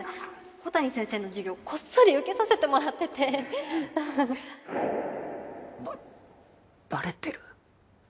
小谷先生の授業こっそり受けさせてもらっててババレてる。